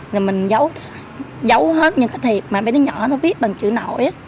rồi mình giấu giấu hết những cái thiệp mà mấy đứa nhỏ nó viết bằng chữ nội á